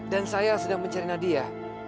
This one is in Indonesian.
dan saya sedang mencari nadia